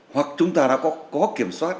hoặc chúng ta đã có kiểm soát